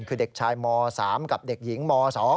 คือเด็กชายม๓กับเด็กหญิงม๒